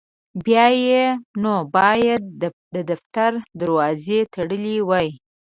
بیا یې نو باید د دفتر دروازې تړلي وای.